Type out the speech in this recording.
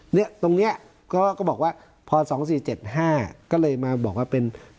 เนี่ยตรงเนี้ยก็ก็บอกว่าพสองสี่เจ็ดห้าก็เลยมาบอกว่าเป็น